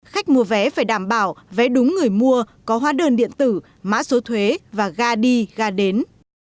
khách mua vé phải đảm bảo vé đúng người mua có hóa đơn điện tử mã số thuế và ga đi ga đến